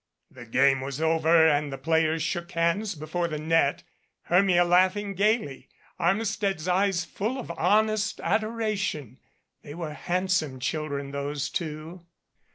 The game was over and the players shook hands be fore the net, Hermia laughing gaily, Armistead's eyes full of honest adoration. They were handsome children, those two.